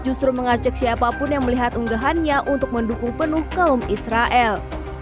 justru mengajak siapapun yang melihat unggahannya untuk mendukung penuh kaum israel